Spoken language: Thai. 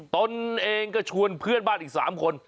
ตนเองก็ชวนเพื่อนบ้านอีก๓คน